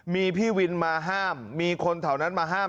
มีพี่วินมาห้ามมีคนแถวนั้นมาห้าม